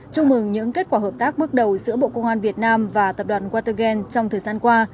chúc mừng những kết quả hợp tác bước đầu giữa bộ công an việt nam và tập đoàn watergen trong thời gian qua